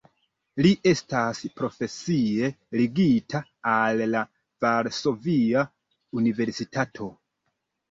Li estas profesie ligita al la Varsovia Universitato.